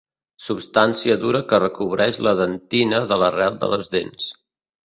Substància dura que recobreix la dentina de l'arrel de les dents.